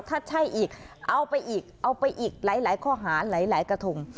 ถ้าใช่อีกเอาไปอีกเอาไปอีกหลายข้อหาหลายกระทง